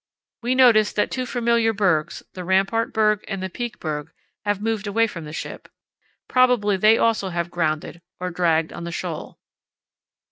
We notice that two familiar bergs, the Rampart Berg and the Peak Berg, have moved away from the ship. Probably they also have grounded or dragged on the shoal."